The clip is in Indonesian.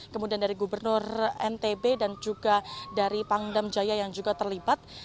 kemudian dari gubernur ntb dan juga dari pangdam jaya yang juga terlibat